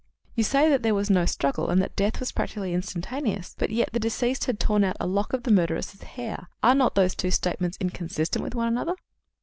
"You say that there was no struggle, and that death was practically instantaneous, but yet the deceased had torn out a lock of the murderess's hair. Are not those two statements inconsistent with one another?"